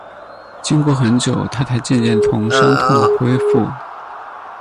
经过很久，她才渐渐从伤痛恢复